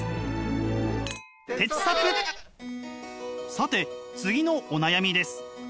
さて次のお悩みです。